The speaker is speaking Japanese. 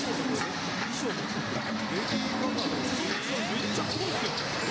めっちゃすごいっすやん。